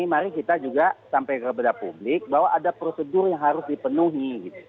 mari kita juga sampai kepada publik bahwa ada prosedur yang harus dipenuhi